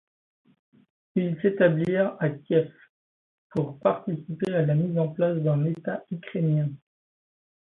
Ils s'établirent à Kiev pour participer à la mise en place d'un État ukrainien.